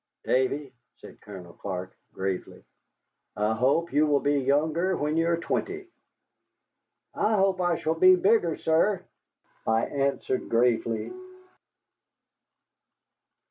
"Davy," said Colonel Clark, gravely, "I hope you will be younger when you are twenty." "I hope I shall be bigger, sir," I answered gravely.